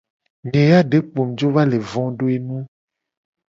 Nye ya de kpo mu gba jo va le vo do enu.